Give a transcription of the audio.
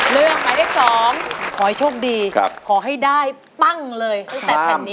เลือกหมายเลข๒ขอให้โชคดีขอให้ได้ปั้งเลยตั้งแต่แผ่นนี้